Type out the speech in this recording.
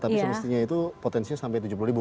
tapi semestinya itu potensinya sampai tujuh puluh ribu